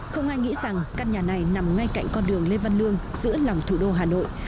không ai nghĩ rằng căn nhà này nằm ngay cạnh con đường lê văn lương giữa lòng thủ đô hà nội